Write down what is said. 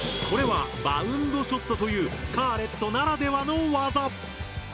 これはバウンドショットというカーレットならではの技！